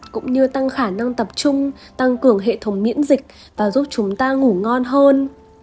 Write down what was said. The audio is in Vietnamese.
cũng như tăng khả năng tập trung tăng cường hệ thống miễn dịch và giúp chúng ta ngủ ngon hơn